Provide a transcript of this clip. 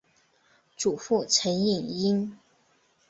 祖父陈尹英。